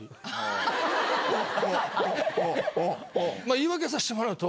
言い訳させてもらうと。